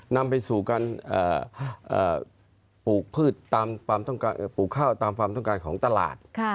นำไปสู่การปลูกข้าวตามฟาร์มต้องการของตลาด